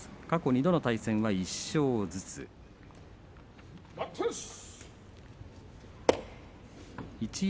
過去２度の対戦は１勝ずつです。